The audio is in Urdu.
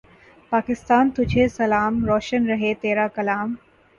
پاکستان تجھے سلام۔ روشن رہے تیرا کلام